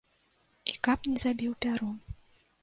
І каб не забіў пярун.